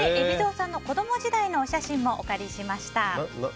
海老蔵さんの子供時代のお写真もお借りしました。